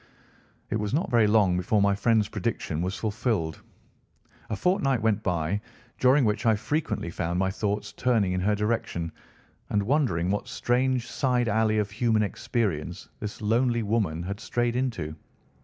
It was not very long before my friend's prediction was fulfilled. A fortnight went by, during which I frequently found my thoughts turning in her direction and wondering what strange side alley of human experience this lonely woman had strayed into.